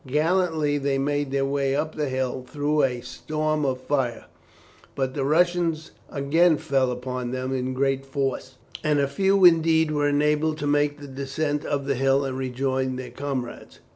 Gallantly they made their way up the hill through a storm of fire. But the Russians again fell upon them in great force, and few indeed were enabled to make the descent of the hill and rejoin their comrades.